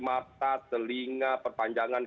mata telinga perpanjangan